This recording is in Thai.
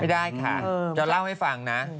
ได้ค่ะจะเล่าให้ฟังนะ